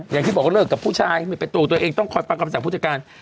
อย่างที่บอกเลิกกับผู้ชายไม่เป็นตัวตัวเองต้องคอยฟังคำสั่งผู้จัดการ